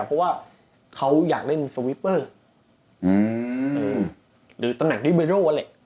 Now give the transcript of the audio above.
เพราะว่าเขาอยากเล่นสวิปเปอร์หรือตำแหน่งดิเบโรแหละ